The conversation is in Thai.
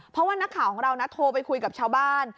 เพราะว่านักข่าวของเรานะโทรไปคุยกับชาวบ้าน